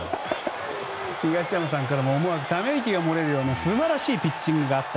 東山さんからもため息が漏れるような素晴らしいピッチングがあった。